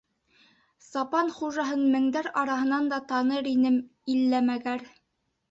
Сапан хужаһын меңдәр араһынан да таныр инем иллә-мәгәр.